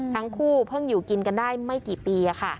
ทั้งคู่เพิ่งอยู่กินกันได้ไม่กี่ปี